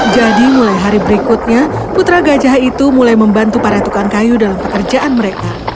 mulai hari berikutnya putra gajah itu mulai membantu para tukang kayu dalam pekerjaan mereka